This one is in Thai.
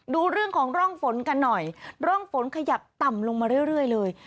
ดูเรื่องของร่องฝนกันหน่อยร่องฝนขยับต่ำลงมาเรื่อยเลย